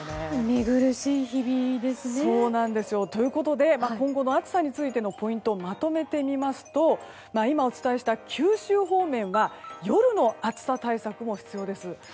寝苦しい日々ですね。ということで今後の暑さについてのポイントをまとめてみますと今、お伝えした九州方面が夜の暑さ対策も必要です。